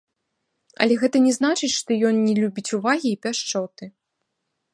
Але гэта не значыць, што ён не любіць увагі і пяшчоты.